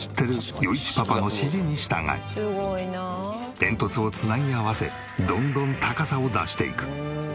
煙突を繋ぎ合わせどんどん高さを出していく。